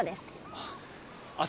あっ。